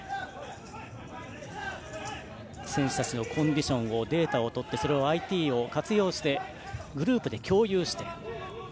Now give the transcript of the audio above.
選手たちのコンディションをデータを取ってＩＴを活用してグループで共有して。